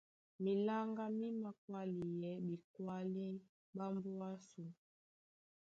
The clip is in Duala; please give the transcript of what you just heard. Miláŋgá mí mākwáleyɛɛ́ ɓekwálí ɓá mbóa ásū.